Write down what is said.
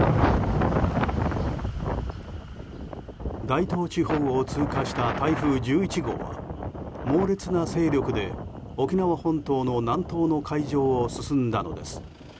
大東地方を通過した台風１１号は猛烈な勢力で沖縄本島の南東の海上を進んだのです。